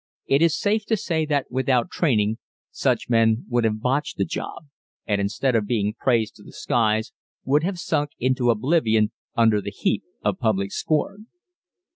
It is safe to say that without training such men would have botched the job and instead of being praised to the skies would have sunk into oblivion under the heap of public scorn.